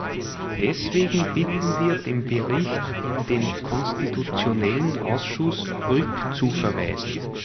Deswegen bitten wir, den Bericht in den Konstitutionellen Ausschuss rückzuverweisen.